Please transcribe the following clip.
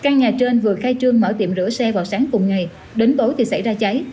ngay trên vừa khai trương mở tiệm rửa xe vào sáng cùng ngày đến tối thì xảy ra cháy